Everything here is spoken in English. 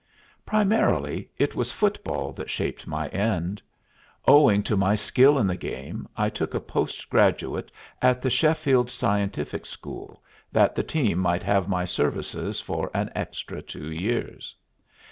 Primarily, it was football which shaped my end. Owing to my skill in the game, I took a post graduate at the Sheffield Scientific School, that the team might have my services for an extra two years.